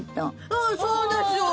うんそうでしょ！